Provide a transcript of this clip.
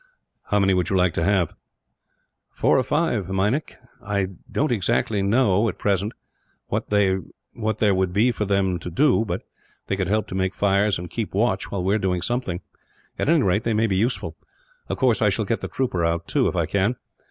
"How many would you like to have?" "Four or five, Meinik. I don't exactly know, at present, what there would be for them to do; but they could help to make fires, and keep watch, while we are doing something. At any rate, they may be useful. "Of course, I shall get the trooper out, too, if I can.